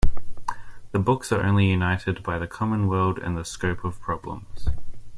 The books are only united by the common world and the scope of problems.